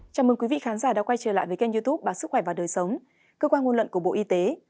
chào mừng quý vị khán giả đã quay trở lại với kênh youtube bản sức khỏe và đời sống cơ quan nguồn lận của bộ y tế